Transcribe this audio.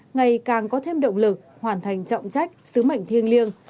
ngày càng có thêm động lực hoàn thành trọng trách sứ mệnh thiêng liêng